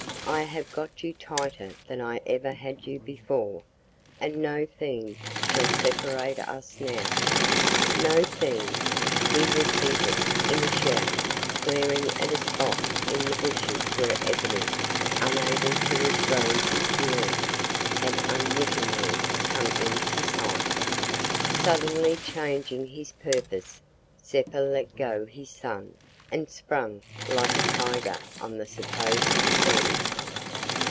I have got you tighter than I ever had you before, and no fiend shall separate us now. No fiend!" he repeated in a shout, glaring at a spot in the bushes where Ebony, unable to restrain his feelings, had unwittingly come into sight. Suddenly changing his purpose, Zeppa let go his son and sprang like a tiger on the supposed fiend.